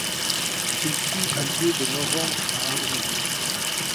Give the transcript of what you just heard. Celle-ci a lieu de novembre à avril.